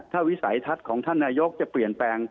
ถ้าวิสัยทัศน์ของท่านนายกจะเปลี่ยนแปลง